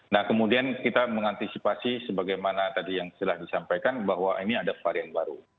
nah kemudian kita mengantisipasi sebagaimana tadi yang sudah disampaikan bahwa ini ada varian baru